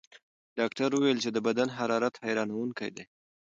ډاکټره وویل چې د بدن حرارت حیرانوونکی دی.